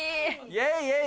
イエイイエイ。